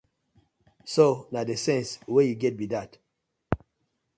So na dey sence wey yu get bi dat.